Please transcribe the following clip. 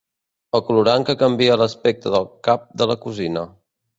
El colorant que canvia l'aspecte del cap de la cosina.